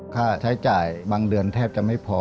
ค่าใช้จ่ายบางเดือนแทบจะไม่พอ